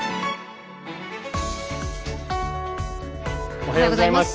おはようございます。